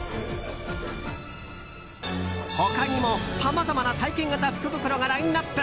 他にもさまざまな体験型福袋がラインアップ。